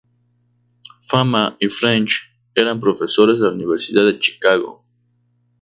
Fama y French eran profesores de la Universidad de Chicago.